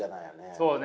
そうね。